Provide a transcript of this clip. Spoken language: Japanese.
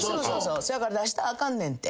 そやから出したらあかんねんって。